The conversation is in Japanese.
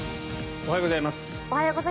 おはようございます。